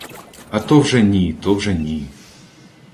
— А то вже ні, то вже ні.